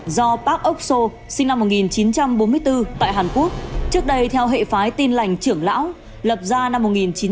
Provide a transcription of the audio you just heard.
do bác úc sô sinh năm một nghìn chín trăm bốn mươi bốn tại hàn quốc trước đây theo hệ phái tin lành trưởng lão lập ra năm một nghìn chín trăm bảy mươi